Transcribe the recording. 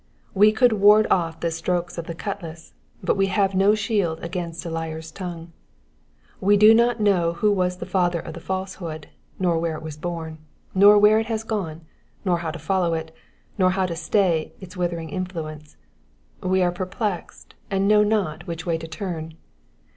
We could ward off the strokes of a cutlass, but wo have no shield against a liar's tongue. We do not know who was tlie father of the falsehood, nor where it was bom, nor where it has gone, nor how to follow it, nor how to stay its withering influence. We are perplexed, and know not which way to turn.